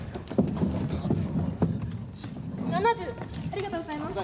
ありがとうございます。